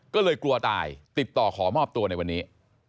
ก็เลยกลัวตายติดต่อขอมอบตัวในวันนี้